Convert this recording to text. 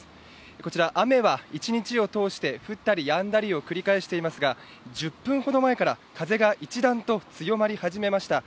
こちら雨は一日を通して降ったりやんだりを繰り返していますが、１０分ほど前から風が一段と強まり始めました。